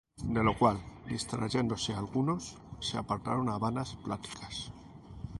De lo cual distrayéndose algunos, se apartaron á vanas pláticas;